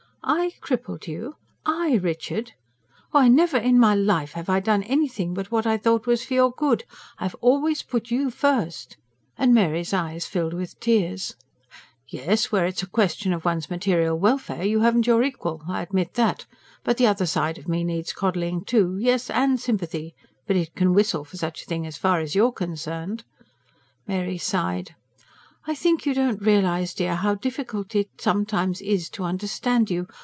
"I crippled you? I, Richard! Why, never in my life have I done anything but what I thought was for your good. I've always put you first." And Mary's eyes filled with tears. "Yes, where it's a question of one's material welfare you haven't your equal I admit that. But the other side of me needs coddling too yes, and sympathy. But it can whistle for such a thing as far as you're concerned." Mary sighed. "I think you don't realise, dear, how difficult it sometimes is to understand you